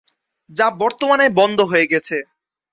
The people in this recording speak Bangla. যা বর্তমানে বন্ধ হয়ে গেছে।